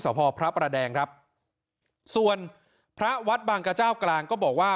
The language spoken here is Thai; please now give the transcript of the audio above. พอพระประแดงครับส่วนพระวัดบางกระเจ้ากลางก็บอกว่า